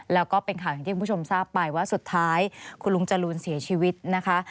แล้วก็เป็นข่าวอย่างที่คุณผู้ชมทราบไปว่าสุดท้ายคุณลุงจรูนเสียชีวิตนะคะ